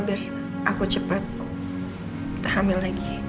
biar aku cepat kita hamil lagi